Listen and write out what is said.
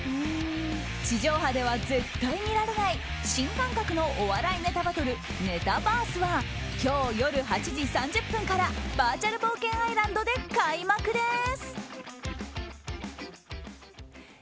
地上波では絶対見られない新感覚のお笑いネタバトルネタバースは今日夜８時３０分からバーチャル冒険アイランドで開幕です。